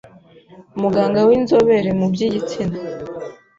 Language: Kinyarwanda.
muganga w’inzobere mu by’igitsina